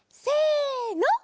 せの。